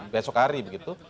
besok hari begitu